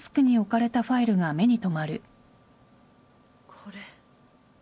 これ。